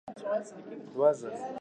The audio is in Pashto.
لنډۍ د هېواد په هر ځای کې خپرېږي.